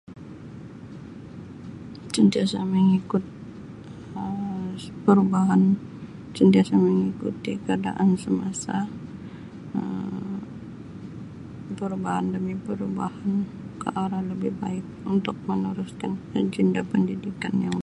Sentiasa mengikut Um perubahan sentiasa mengikuti keadaan semasa Um perubahan demi perubahan ke arah lebih baik untuk meneruskan agenda pendidikan yang.